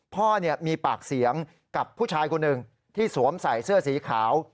พ่อมีปากเสียงกับผู้ชายคนหนึ่งที่สวมใส่เสื้อสีขาว